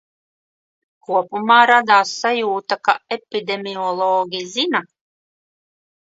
Kopumā radās sajūta, ka epidemiologi zina.